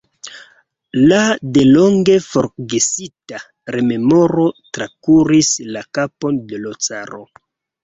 Ia delonge forgesita rememoro trakuris la kapon de l' caro.